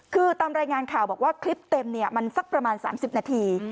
คือตามรายงานข่าวบอกว่าคลิปเต็มมันสักประมาณ๓๐นาที